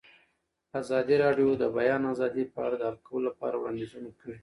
ازادي راډیو د د بیان آزادي په اړه د حل کولو لپاره وړاندیزونه کړي.